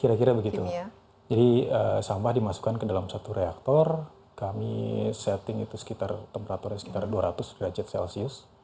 kira kira begitu jadi sampah dimasukkan ke dalam satu reaktor kami setting itu sekitar temperaturnya sekitar dua ratus derajat celcius